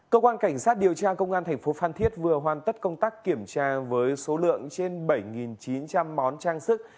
cơ quan cảnh sát điều tra công an thành phố phan thiết vừa hoàn tất công tác kiểm tra với số lượng trên bảy chín trăm linh món trang sức